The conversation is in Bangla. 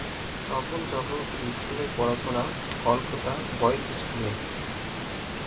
স্বপন চক্রবর্তীর স্কুলের পড়াশোনা কলকাতা বয়েজ স্কুলে।